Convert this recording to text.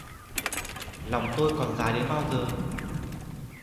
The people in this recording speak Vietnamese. Lòng tôi còn giá đến bao giờ